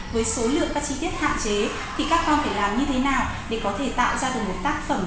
với số lượng các chi tiết hạn chế thì các con phải làm như thế nào để có thể tạo ra được một tác phẩm